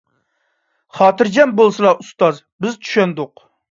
خاتىرجەم بولسىلا، ئۇستاز، بىز چۈشەندۇق.